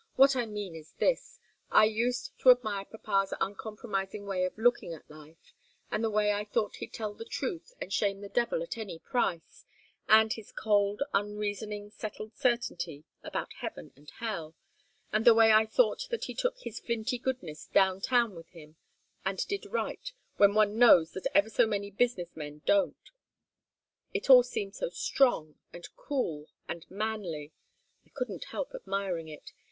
What I mean is this. I used to admire papa's uncompromising way of looking at life, and the way I thought he'd tell the truth and shame the devil at any price, and his cold, unreasoning, settled certainty about heaven and hell and the way I thought that he took his flinty goodness down town with him, and did right, when one knows that ever so many business men don't. It all seemed so strong, and cool, and manly. I couldn't help admiring it.